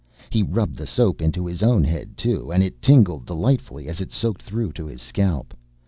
He rubbed the soap into his own head, too, and it tingled delightfully as it soaked through to his scalp.